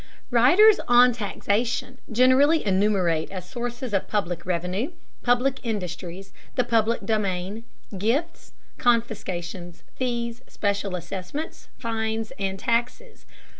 Writers on taxation generally enumerate as sources of public revenue, public industries, the public domain, gifts, confiscations, fees, special assessments, fines, and taxes.